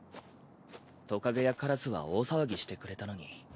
トカゲやカラスは大騒ぎしてくれたのに。